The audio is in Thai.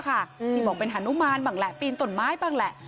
ที่บอกเป็นฮานุมานบ้างแหละปีนต้นไม้บ้างแหละ